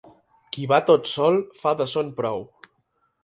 Qui va tot sol, fa de son prou.